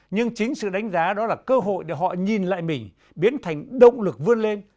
nhưng chính sự đánh giá đó là cơ hội để họ nhìn lại mình biến thành động lực vươn lên